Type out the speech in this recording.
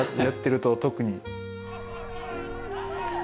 やってると特に。